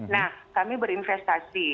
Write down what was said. nah kami berinvestasi